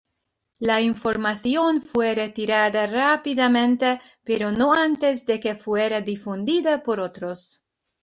La información fue retirada rápidamente, pero no antes de que fuera difundida por otros.